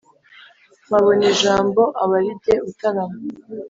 mpabona ijambo aba ari jye utarama